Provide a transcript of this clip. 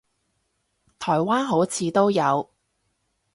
台灣好似都有